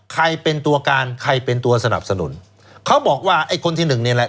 ใครเป็นตัวการใครเป็นตัวสนับสนุนเขาบอกว่าไอ้คนที่หนึ่งนี่แหละ